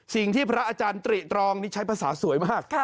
พระอาจารย์ตริตรองนี่ใช้ภาษาสวยมาก